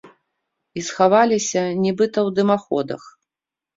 І схаваліся, нібыта, у дымаходах.